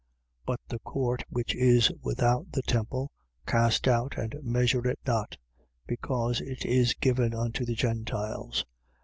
11:2. But the court which is without the temple, cast out and measure it not: because it is given unto the Gentiles.